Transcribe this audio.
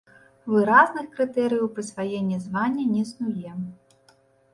Выразных крытэрыяў прысваення звання не існуе.